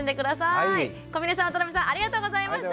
小峰さん渡邊さんありがとうございました。